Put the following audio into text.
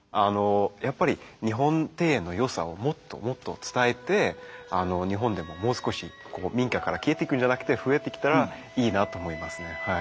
やっぱり日本庭園のよさをもっともっと伝えて日本でももう少しこう民家から消えていくんじゃなくて増えてきたらいいなと思いますね。